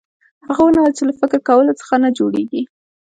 هغه ونه ويل چې له فکر کولو څه نه جوړېږي.